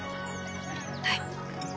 はい。